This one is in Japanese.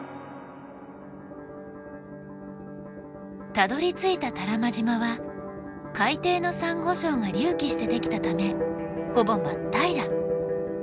たどりついた多良間島は海底のサンゴ礁が隆起して出来たためほぼ真っ平ら。